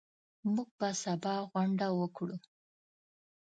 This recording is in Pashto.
موږ به سبا غونډه وکړو.